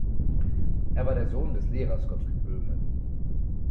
Er war der Sohn des Lehrers Gottfried Böhme.